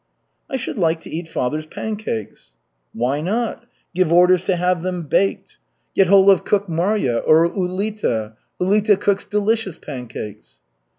"I should like to eat father's pancakes." "Why not? Give orders to have them baked. Get hold of cook Marya or Ulita. Ulita cooks delicious pancakes."